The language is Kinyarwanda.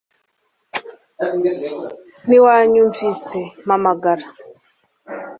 Ntiwanyumvise mpamagara